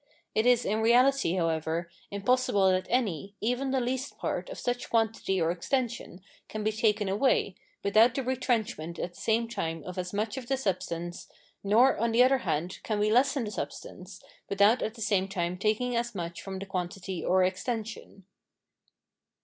It is in reality, however, impossible that any, even the least part, of such quantity or extension, can be taken away, without the retrenchment at the same time of as much of the substance, nor, on the other hand, can we lessen the substance, without at the same time taking as much from the quantity or extension.